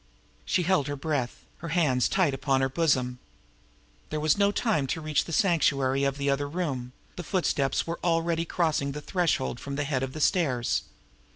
She held her breath, her hands tight upon her bosom. There was no time to reach the sanctuary of the other room the footsteps were already crossing the threshold from the head of the stairs.